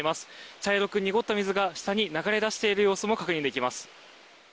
茶色く濁った水が下に流れ出している様子も確認できます。